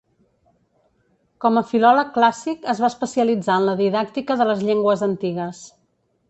Com a filòleg clàssic es va especialitzar en la didàctica de les llengües antigues.